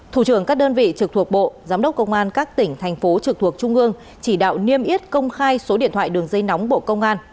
thủ trưởng các đơn vị trực thuộc bộ giám đốc công an các tỉnh thành phố trực thuộc trung ương chỉ đạo niêm yết công khai số điện thoại đường dây nóng bộ công an